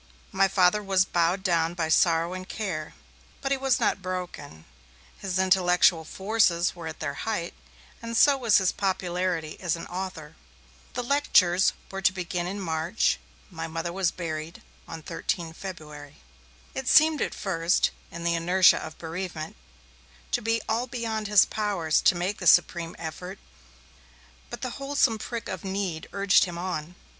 My Father was bowed down by sorrow and care, but he was not broken. His intellectual forces were at their height, and so was his popularity as an author. The lectures were to begin in march; my Mother was buried on 13 February. It seemed at first, in the inertia of bereavement, to be all beyond his powers to make the supreme effort, but the wholesome prick of need urged him on.